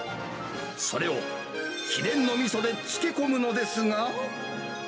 それを秘伝のみそで漬け込むのですが。